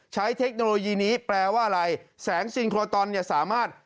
ใช้เทคโนโลยีนี้แสงซิงโคตรอนสามารถ